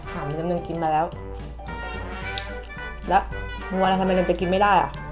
ขาเหมือนกับกินมาแล้วแล้วมึงว่าแล้วทำไมลงไปกินไม่ได้อ่ะ